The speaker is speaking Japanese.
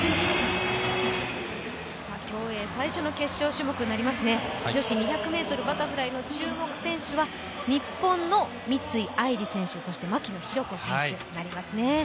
競泳最初の決勝種目になりますね、女子２００ｍバタフライ、日本の三井愛理選手、そして牧野紘子選手になりますね。